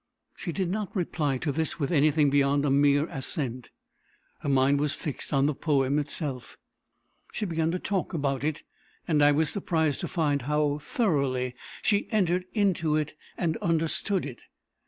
She did not reply to this with anything beyond a mere assent. Her mind was fixed on the poem itself. She began to talk about it, and I was surprised to find how thoroughly she entered into it and understood it.